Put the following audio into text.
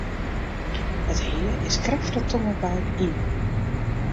It hea is krekt foar de tongerbui yn.